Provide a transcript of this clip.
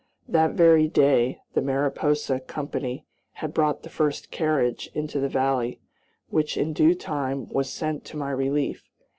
That very day the Mariposa Company had brought the first carriage into the valley, which, in due time, was sent to my relief.